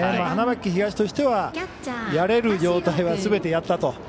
花巻東としてはやれることはすべてやったと。